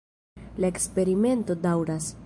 La eksperimento daŭras.